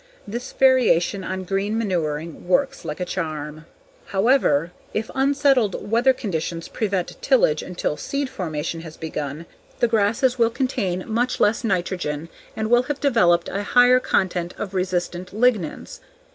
This variation on green manuring works like a charm. However, if unsettled weather conditions prevent tillage until seed formation has begun, the grasses will contain much less nitrogen and will have developed a higher content of resistant lignins.